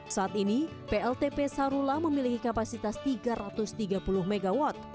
saat ini pltp sarula memiliki kapasitas tiga ratus tiga puluh mw